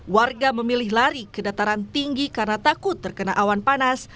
warga memilih lari ke dataran tinggi karena takut terkena awan panas